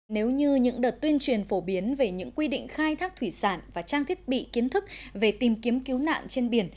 nếu như những đợt tuyên truyền phổ biến về những quy định khai thác thủy sản và trang thiết bị kiến thức về tìm kiếm cứu nạn trên biển